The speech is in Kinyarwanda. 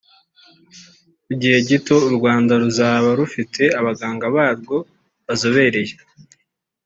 mu gihe gito u Rwanda ruzaba rufite abaganga barwo bazobereye